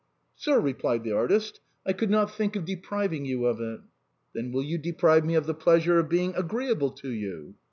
" Sir," replied the artist, " I could not think of depriv ing you of it." " Then you will deprive me of the pleasure of being agreeable to you